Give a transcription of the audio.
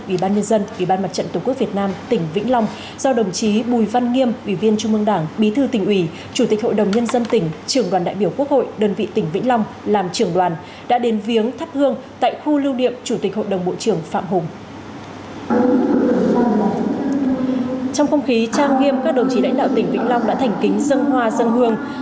ủy ban mặt trận tổ quốc việt nam tỉnh vĩnh long do đồng chí bùi văn nghiêm ủy viên trung ương đảng bí thư tỉnh ủy chủ tịch hội đồng nhân dân tỉnh trưởng đoàn đại biểu quốc hội đơn vị tỉnh vĩnh long làm trưởng đoàn đã đến viếng thắt hương tại khu lưu điệm chủ tịch hội đồng bộ trưởng phạm hùng